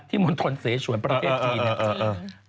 ที่มณฑลเสชวนประเทศจีน